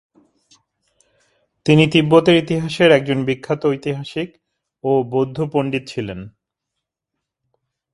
তিনি তিব্বতের ইতিহাসের একজন বিখ্যাত ঐতিহাসিক ও বৌদ্ধ পণ্ডিত ছিলেন।